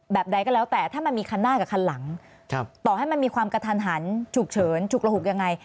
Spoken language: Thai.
ใดก็แล้วแต่ถ้ามันมีคันหน้ากับคันหลังต่อให้มันมีความกระทันหันฉุกเฉินฉุกระหุกยังไง